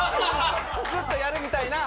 ずっとやるみたいな。